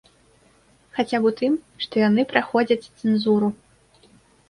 Хаця б у тым, што яны праходзяць цэнзуру.